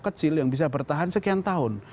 kecil yang bisa bertahan sekian tahun